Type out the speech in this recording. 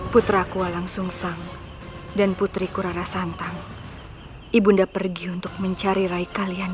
putra ku walang sung sang dan putri ku rara santang ibunda pergi untuk mencari rai kalian